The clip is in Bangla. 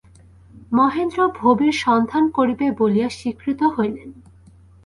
মহেন্দ্র ভবির সন্ধান করিবে বলিয়া স্বীকৃত হইলেন।